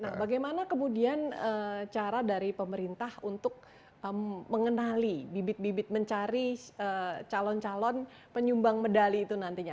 nah bagaimana kemudian cara dari pemerintah untuk mengenali bibit bibit mencari calon calon penyumbang medali itu nantinya